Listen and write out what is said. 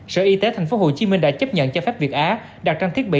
sở y tế tp hcm đã chấp nhận cho phép việt á đặt trang thiết bị